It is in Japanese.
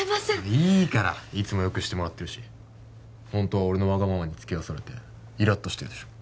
いいからいつもよくしてもらってるしホントは俺のわがままにつきあわされてイラッとしてるでしょ